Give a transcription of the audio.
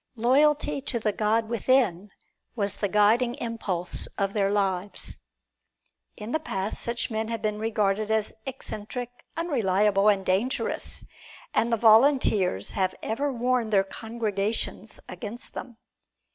Loyalty to the God within was the guiding impulse of their lives. In the past, such men have been regarded as eccentric, unreliable and dangerous, and the volunteers have ever warned their congregations against them.